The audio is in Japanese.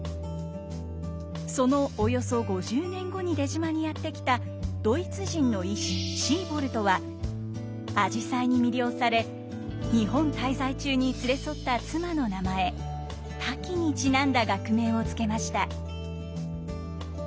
そのおよそ５０年後に出島にやって来たドイツ人の医師シーボルトはあじさいに魅了され日本滞在中に連れ添った妻の名前「滝」にちなんだ学名を付けました。